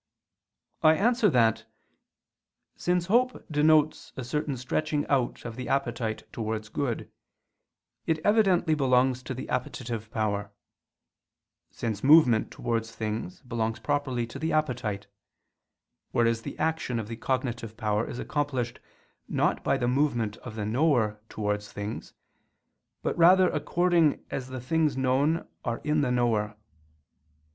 I answer that, Since hope denotes a certain stretching out of the appetite towards good, it evidently belongs to the appetitive power; since movement towards things belongs properly to the appetite: whereas the action of the cognitive power is accomplished not by the movement of the knower towards things, but rather according as the things known are in the knower.